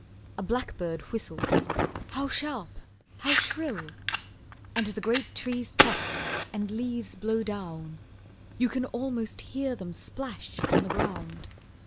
A blackbird whistles, how sharp, how shrill! And the great trees toss And leaves blow down, You can almost hear them splash on the ground.